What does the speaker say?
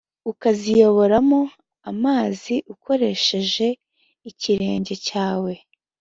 ukaziyoboramo amazi ukoresheje ikirenge cyawe,